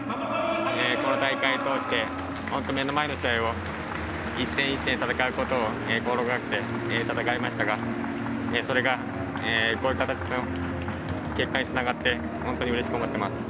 この大会を通して本当に目の前の試合を一戦一戦、戦うことを心がけて戦いましたが、それがこういう形の結果につながって本当にうれしく思っています。